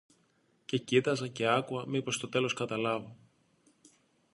Και κοίταζα και άκουα, μήπως στο τέλος καταλάβω.